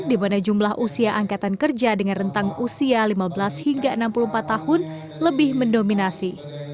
di mana jumlah usia angkatan kerja dengan rentang usia lima belas hingga enam puluh empat tahun lebih mendominasi